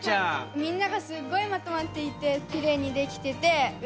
みんながすごいまとまっていてきれいにできててうれしかったです。